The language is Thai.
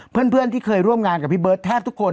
เพื่อนที่เคยร่วมงานกับพี่เบิร์ตแทบทุกคน